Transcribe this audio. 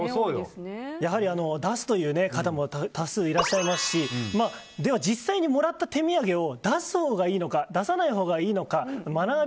やはり、出すという方も多数いらっしゃいますしでは、実際にもらった手土産を出すほうがいいのか出さないほうがいいのかマナー